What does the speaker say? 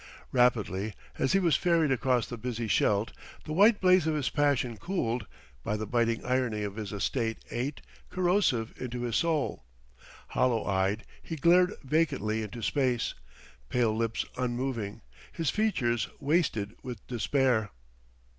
Rapidly, as he was ferried across the busy Scheldt, the white blaze of his passion cooled; but the biting irony of his estate ate, corrosive, into his soul. Hollow eyed he glared vacantly into space, pale lips unmoving, his features wasted with despair.